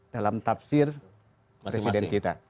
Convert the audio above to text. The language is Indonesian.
dalam tafsir presiden kita